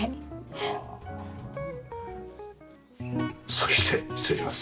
そして失礼します。